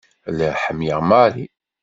Lliɣ ḥemmleɣ Mary.